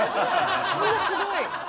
そんなすごい。